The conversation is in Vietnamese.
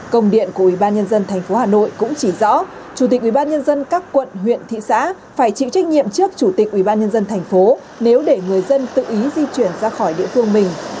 công điện của ubnd tp hà nội cũng chỉ rõ chủ tịch ubnd các quận huyện thị xã phải chịu trách nhiệm trước chủ tịch ubnd tp nếu để người dân tự ý di chuyển ra khỏi địa phương mình